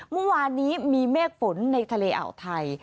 เมื่อวานนี้มีเมฆฝนในทะเลอ่าวไทย